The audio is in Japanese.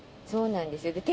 そうなんですよ。